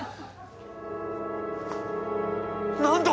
何だ？